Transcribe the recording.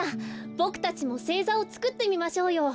ボクたちもせいざをつくってみましょうよ。